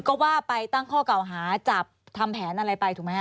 ก็ว่าไปตั้งข้อเก่าหาจับทำแผนอะไรไปถูกไหมฮ